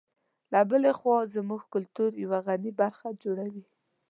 له بلې خوا زموږ کلتور یوه غني برخه جوړوي.